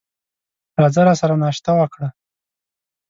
راځه راسره ناشته وکړه !